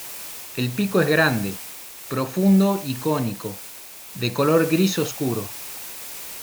El pico es grande, profundo y cónico, de color gris oscuro.